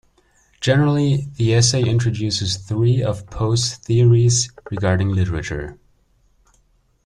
Generally, the essay introduces three of Poe's theories regarding literature.